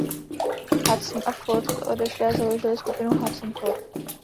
Hudson a Ford odešli a založili skupinu Hudson Ford.